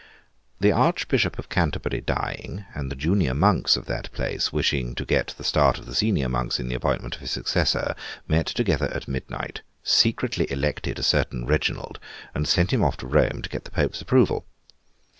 The Archbishop of Canterbury dying, and the junior monks of that place wishing to get the start of the senior monks in the appointment of his successor, met together at midnight, secretly elected a certain Reginald, and sent him off to Rome to get the Pope's approval.